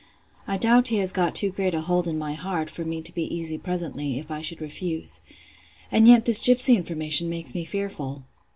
—I doubt he has got too great hold in my heart, for me to be easy presently, if I should refuse: And yet this gipsy information makes me fearful.